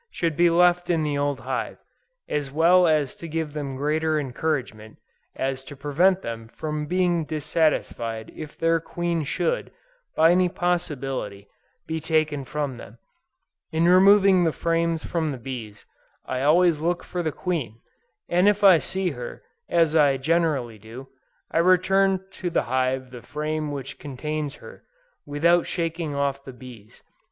should be left in the old hive, as well to give them greater encouragement, as to prevent them from being dissatisfied if their queen should, by any possibility, be taken from them. In removing the frames with the bees, I always look for the queen, and if I see her, as I generally do, I return to the hive the frame which contains her, without shaking off the bees.